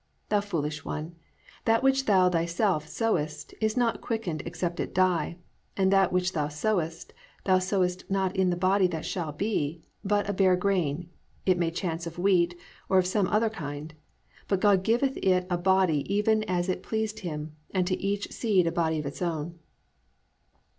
Thou foolish one, that which thou thyself sowest is not quickened, except it die: and that which thou sowest, thou sowest not in the body that shall be, but a bare grain, it may chance of wheat, or of some other kind; but God giveth it a body even as it pleased him, and to each seed a body of its own."